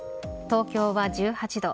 東京は１８度。